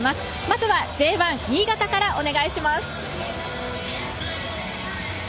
まずはＪ１新潟からお願いします。